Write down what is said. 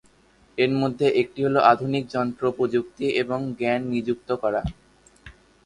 এর মধ্যে একটি হলো আধুনিক যন্ত্র, প্রযুক্তি এবং জ্ঞান নিযুক্ত করা।